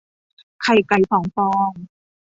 ไข่ไก่สองฟอง